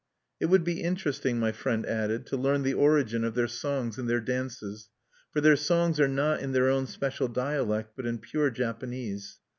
It would be interesting, my friend added, to learn the origin of their songs and their dances; for their songs are not in their own special dialect, but in pure Japanese.